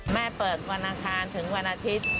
เปิดวันอังคารถึงวันอาทิตย์